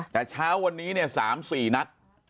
แต่เช้าวันนี้เนี่ย๓๔นัด